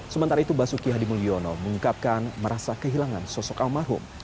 sementara itu basuki hadimulyono mengungkapkan merasa kehilangan sosok almarhum